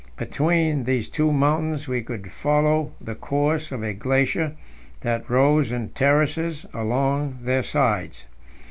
Between these two mountains we could follow the course of a glacier that rose in terraces along their sides.